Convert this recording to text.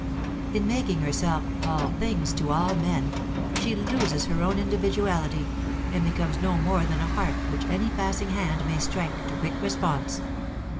In making herself "all things to all men," she loses her own individuality, and becomes no more than a harp which any passing hand may strike to quick response.